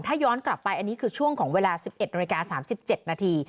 ถ้าย้อนกลับไปอันนี้คือช่วงของเวลา๑๑นาฬิกา๓๗นาที